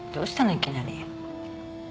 いきなり。